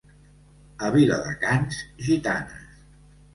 A Viladecans, gitanes.